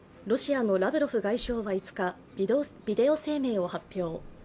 ロシアのラブロフ外相は５日、ビデオ声明を発表。